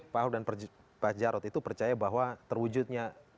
pak ahok dan pak jarod itu percaya bahwa terwujudnya